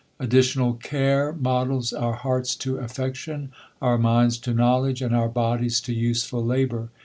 Additional care models our ' hearts to aflection, our minds to knowledge, and our', bodies to useful labor.